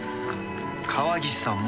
川岸さんも。